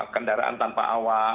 kendaraan tanpa awak